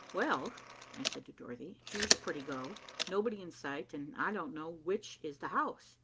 "Well," I said to Dorothy, "here's a pretty go. Nobody in sight, and I don't know which is the house."